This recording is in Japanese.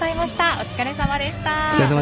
お疲れさまでした。